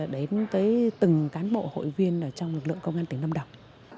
đến từng cán bộ hội viên trong lực lượng công an tỉnh lâm đồng